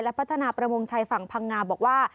และพัฒนาประมงชายฝั่งพังงาบอกว่า